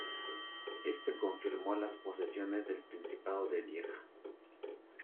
Este confirmó las posesiones del principado de Lieja.